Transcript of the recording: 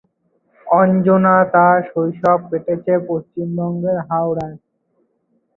অঞ্জনা তার শৈশব কেটেছে পশ্চিমবঙ্গের হাওড়ায়।